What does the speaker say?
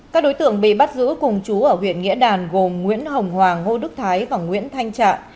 các đối tượng bị bắt giữ cùng chú ở huyện nghĩa đàn gồm nguyễn hồng hoàng ngô đức thái và nguyễn thanh trạng